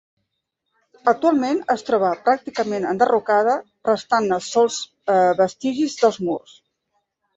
Actualment es troba pràcticament enderrocada, restant-ne sols vestigis dels murs.